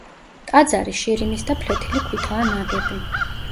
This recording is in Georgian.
ტაძარი შირიმის და ფლეთილი ქვითაა ნაგები.